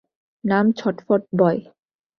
নাম ছটফট বয়।